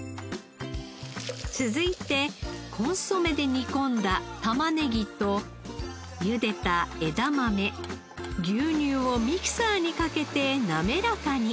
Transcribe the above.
続いてコンソメで煮込んだ玉ねぎとゆでた枝豆牛乳をミキサーにかけて滑らかに。